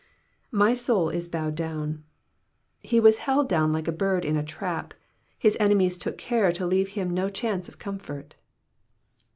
^''My soul is bowed down,'''* He was held down like a bird in a trap ; his enemies took care to leave him no chance of comfort.